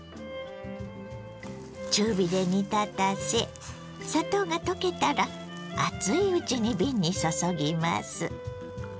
中火で煮立たせ砂糖が溶けたら熱いうちに瓶に注ぎます。